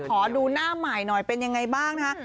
ขอดูหน้าใหม่หน่อยเป็นยังไงบ้างนะคะ